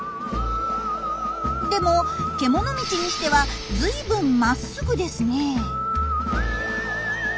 でも獣道にしては随分まっすぐですね。